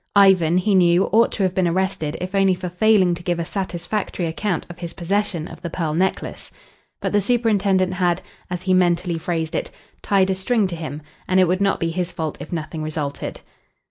Ivan, he knew, ought to have been arrested if only for failing to give a satisfactory account of his possession of the pearl necklace. But the superintendent had, as he mentally phrased it, "tied a string to him," and it would not be his fault if nothing resulted.